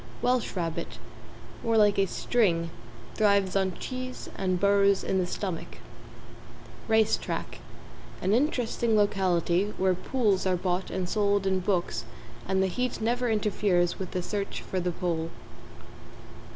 =WELSH RABBIT= More like a string, thrives on cheese and burrows in the stomach. =RACE TRACK= An interesting locality, where pools are bought and sold in books and the heat never interferes with the search for the Pole.